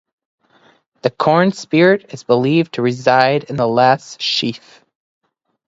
The corn-spirit is believed to reside in the last sheaf.